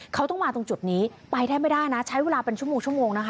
เขาต้องมาตรงจุดนี้ไปแทบไม่ได้นะใช้เวลาเป็นชั่วโมงชั่วโมงนะคะ